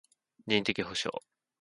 人的補償